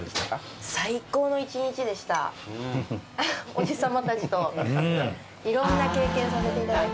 おじさまたちといろんな経験させていただけて。